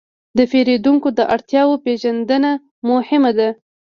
د پیرودونکو د اړتیاوو پېژندنه مهمه ده.